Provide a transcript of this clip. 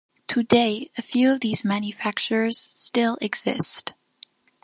Today a few of these manufacturers still exist.